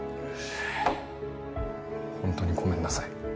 本当にごめんなさい。